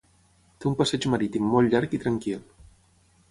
Té un passeig marítim molt llarg i tranquil.